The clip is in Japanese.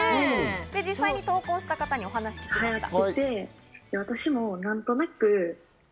実際投稿した方にお話を伺いました。